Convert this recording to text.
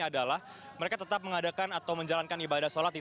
dan mendapatkan papan papan anda sendiri